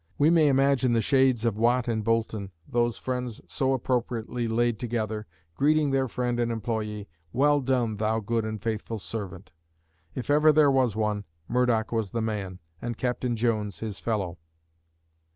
We may imagine the shades of Watt and Boulton, those friends so appropriately laid together, greeting their friend and employee: "Well done, thou good and faithful servant!" If ever there was one, Murdoch was the man, and Captain Jones his fellow.